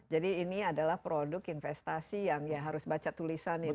jadi ini adalah produk investasi yang ya harus baca tulisan ini